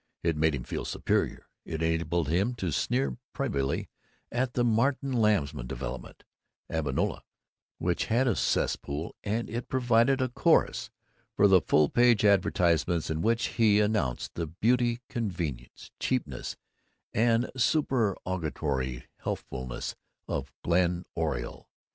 It made him feel superior; it enabled him to sneer privily at the Martin Lumsen development, Avonlea, which had a cesspool; and it provided a chorus for the full page advertisements in which he announced the beauty, convenience, cheapness, and supererogatory healthfulness of Glen Oriole.